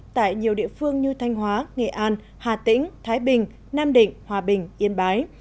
tại nhiều địa phương như thanh hóa nghệ an hà tĩnh thái bình nam định hòa bình yên bái